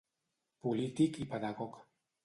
Polític i pedagog.